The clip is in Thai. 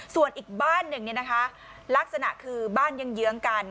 ส่วนอีกบ้านหนึ่งลักษณะคือบ้านยังเยื้องกัน